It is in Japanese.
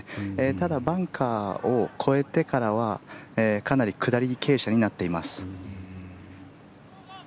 ただ、バンカーを越えてからはかなり下り傾斜になっています。